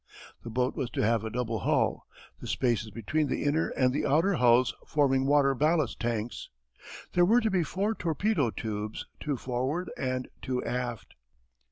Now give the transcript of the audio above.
The boat was to have a double hull, the spaces between the inner and the outer hulls forming water ballast tanks. There were to be four torpedo tubes, two forward and two aft.